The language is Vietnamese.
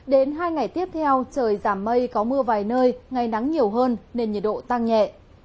đến hai ngày tiếp theo trời giảm mây có mưa vài nơi ngày nắng nhiều hơn nên nhiệt độ tăng nhẹ